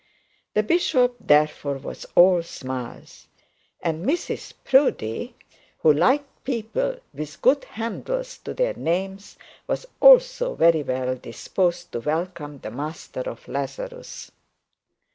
The bishop, therefore, was all smiles. And Mrs Proudie, who liked people with good handles to their names, was also very well disposed to welcome the master of Lazarus.